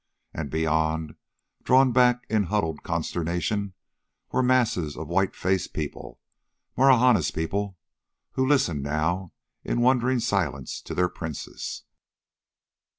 And beyond, drawn back in huddled consternation, were masses of white faced people Marahna's people who listened, now, in wondering silence to their princess.